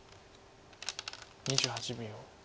２８秒。